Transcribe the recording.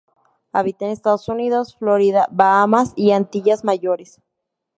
Habita en Estados Unidos, Florida, Bahamas y Antillas Mayores.